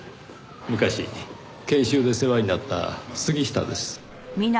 昔研修で世話になった杉下です。